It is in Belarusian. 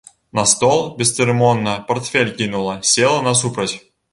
На стол бесцырымонна партфель кінула, села насупраць.